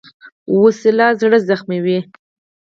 وسله زړه زخموي